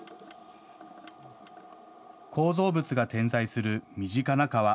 構造物が点在する身近な川。